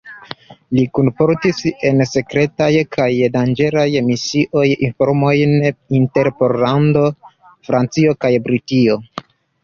Li kunportis en sekretaj kaj danĝeraj misioj informojn inter Pollando, Francio kaj Britio.